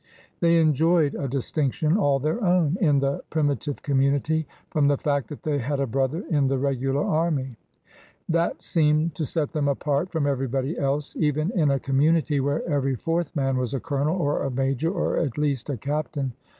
They enjoyed a distinction all their own in the primi tive community from the fact that they had a brother in the regular army. That seemed to set them apart from everybody else, even in a community where every fourth man was a colonel or a major or at least a captain.